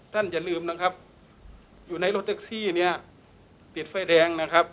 อย่าลืมนะครับอยู่ในรถแท็กซี่เนี่ยติดไฟแดงนะครับ